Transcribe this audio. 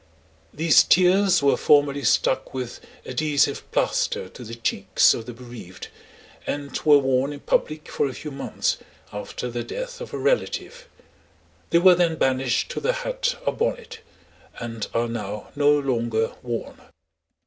These tears were formerly stuck with adhesive plaster to the cheeks of the bereaved, and were worn in public for a few months after the death of a relative; they were then banished to the hat or bonnet, and are now no longer worn.